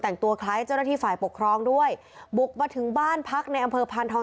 แต่งตัวคล้ายเจ้าหน้าที่ฝ่ายปกครองด้วยบุกมาถึงบ้านพักในอำเภอพานทอง